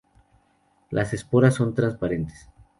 Las esporas son transparentes.